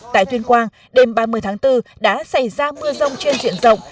tại tuyên quang đêm ba mươi tháng bốn đã xảy ra mưa rông trên diện rộng